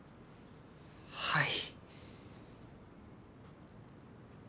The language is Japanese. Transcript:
はい。